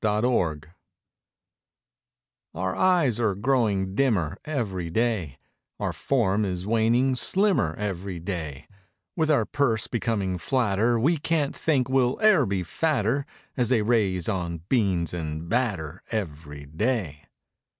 92 EVERY DAY Our eyes are growing dimmer Every day ; Our form is waning slimmer Every day; With our purse becoming flatter We can't think we'll e'er be fatter As they raise on beans and batter Every day.